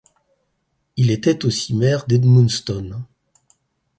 Il est aussi maire d'Edmundston.